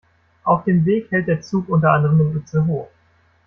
Auf dem Weg hält der Zug unter anderem in Itzehoe.